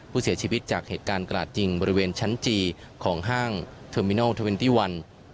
ผู้เสียชีวิตจากเหตุการณ์กราดยิงบริเวณชั้นจีของห้างเทอร์มินอลเทอร์เวนตี้วัน